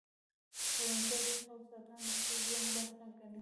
کروندګر د خاورې ساتنه د خپل ژوند برخه ګڼي